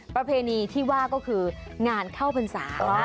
ประเพณีที่ว่าก็คืองานเข้าพรรษา